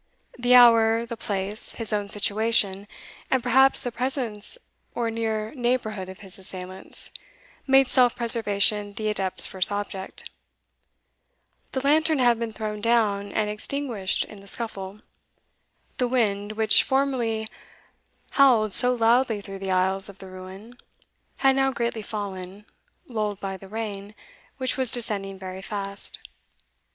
The hour, the place, his own situation, and perhaps the presence or near neighbourhood of his assailants, made self preservation the adept's first object. The lantern had been thrown down and extinguished in the scuffle. The wind, which formerly howled so loudly through the aisles of the ruin, had now greatly fallen, lulled by the rain, which was descending very fast.